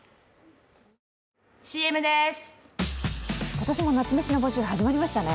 今年も夏メシの募集始まりましたね。